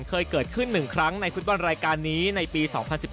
เคยเกิดขึ้น๑ครั้งในฟุตบอลรายการนี้ในปี๒๐๑๙